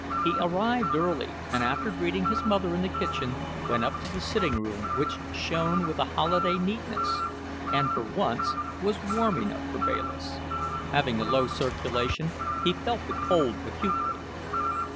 He arrived early, and after greeting his mother in the kitchen, went up to the sitting room, which shone with a holiday neatness, and, for once, was warm enough for Bayliss, having a low circulation, he felt the cold acutely.